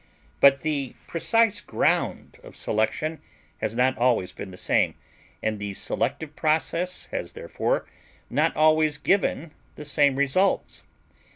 But the precise ground of selection has not always been the same, and the selective process has therefore not always given the same results.